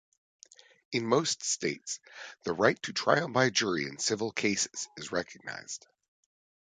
In most states, the right to trial by jury in civil cases is recognized.